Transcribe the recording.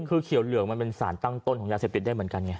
คือเขียวเหลืองมันเป็นสารตั้งต้นของยาเสพติดได้เหมือนกันไง